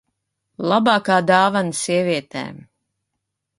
Labākā dāvana sievietēm.